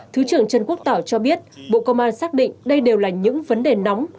thứ trưởng trần quốc tỏ cho biết bộ công an xác định đây đều là những vấn đề nóng